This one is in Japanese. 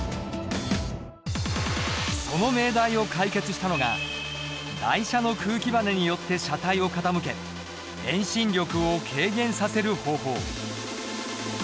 その命題を解決したのが台車の空気ばねによって車体を傾け遠心力を軽減させる方法。